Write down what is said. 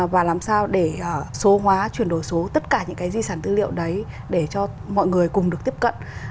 và làm sao để số hóa chuyển đổi số tất cả những cái di sản tư liệu đấy để cho mọi người cùng được tiếp cận